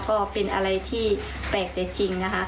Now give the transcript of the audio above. ก็เป็นอะไรที่แปลกแต่จริงนะคะ